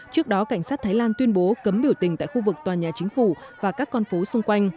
trước đó cảnh sát thái lan tuyên bố cấm biểu tình tại khu vực tòa nhà chính phủ và các con phố xung quanh